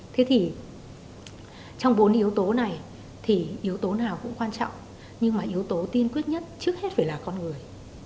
thế thì trong bốn yếu tố này thì yếu tố nào cũng quan trọng nhưng mà yếu tố tiên quyết nhất trước hết phải là con người